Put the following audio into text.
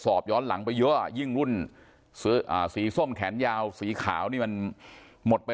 สอบย้อนหลังไปเยอะยิ่งรุ่นสีส้มแขนยาวสีขาวนี่มันหมดไป